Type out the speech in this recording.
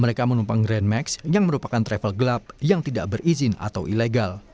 mereka menumpang grand max yang merupakan travel gelap yang tidak berizin atau ilegal